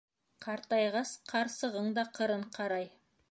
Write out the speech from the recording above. Ҡартайғас, ҡарсығың да ҡырын ҡарай.